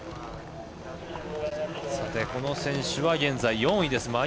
この選手は、現在４位です。